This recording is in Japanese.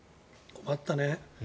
あったね。